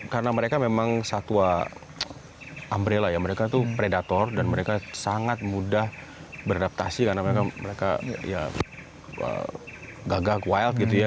karena mereka memang satwa umbrella ya mereka tuh predator dan mereka sangat mudah beradaptasi karena mereka ya gagak wild gitu ya